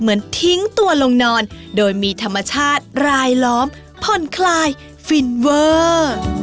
เหมือนทิ้งตัวลงนอนโดยมีธรรมชาติรายล้อมผ่อนคลายฟินเวอร์